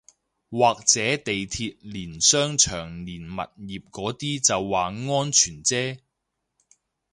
或者地鐵連商場連物業嗰啲就話安全啫